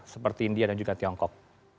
seperti india dan juga tiongkok